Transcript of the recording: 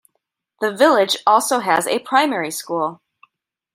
The village also has a primary school.